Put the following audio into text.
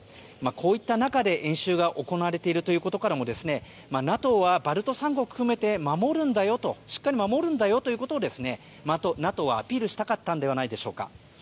こういった中で演習が行われているということからもＮＡＴＯはバルト三国を含めてしっかり守るんだよということをＮＡＴＯはアピールしたかったのではないでしょうか。